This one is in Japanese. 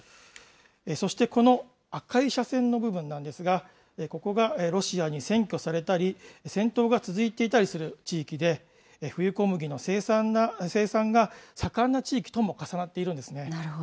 そしてこの赤い斜線の部分なんですが、ここがロシアに占拠されたり、戦闘が続いていたりする地域で、冬小麦の生産が盛んな地域とも重なっているんですね。